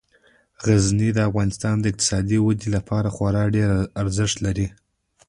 غزني د افغانستان د اقتصادي ودې لپاره خورا ډیر ارزښت لري.